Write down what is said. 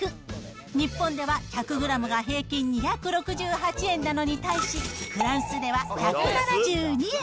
日本では１００グラムが平均２６８円なのに対し、フランスでは１７２円。